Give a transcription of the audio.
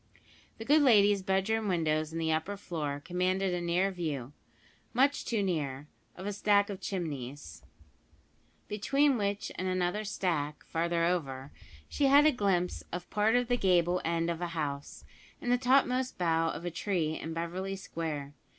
The good lady's bedroom windows in the upper floor commanded a near view much too near of a stack of chimneys, between which and another stack, farther over, she had a glimpse of part of the gable end of a house, and the topmost bough of a tree in Beverly Square.